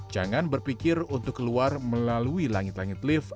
jangan berpikir untuk keluar melalui langit langit lift